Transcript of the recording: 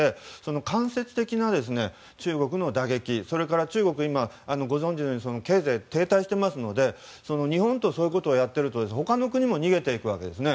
間接的な中国の打撃それから中国は今ご存じのように経済が停滞していますので日本とそういうことをやっていると、他の国も逃げていくわけですね。